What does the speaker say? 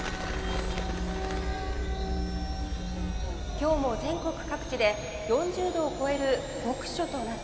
「今日も全国各地で４０度を超える極暑となっています。